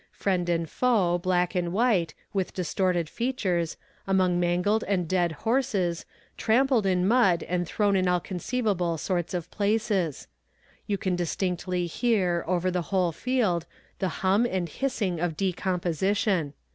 friend and foe, black and white, with distorted features, among mangled and dead horses, trampled in mud, and thrown in all conceivable sorts of places. You can distinctly hear, over the whole field, the hum and hissing of decomposition.